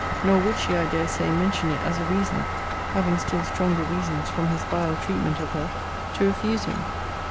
Nor would she, I dare say, mention it as a reason, having still stronger reasons, from his vile treatment of her, to refuse him.